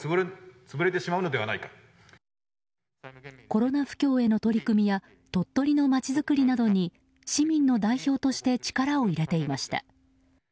コロナ不況への取り組みや鳥取のまちづくりなどに市民の代表として力を入れていました。